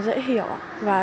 dễ hiểu và